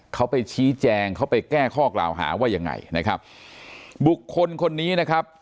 เขาไปชี้แจงเขาไปแก้ข้อกล่าวหาว่ายังไงนะครับบุคคลคนนี้นะครับ